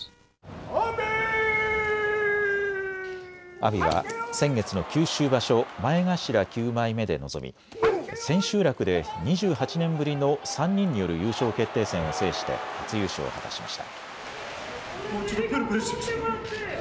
阿炎は先月の九州場所、前頭９枚目で臨み千秋楽で２８年ぶりの３人による優勝決定戦を制して初優勝を果たしました。